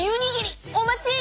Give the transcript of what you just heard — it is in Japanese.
お待ち！